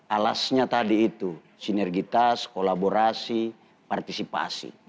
alasnya tadi itu sinergitas kolaborasi partisipasi